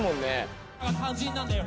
肝心なんだよ